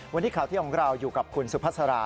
วันนี้ข่าวเที่ยงของเราอยู่กับคุณสุภาษา